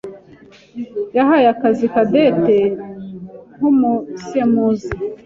yahaye akazi Cadette nk'umusemuzi.